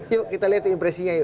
yuk kita lihat impresinya yuk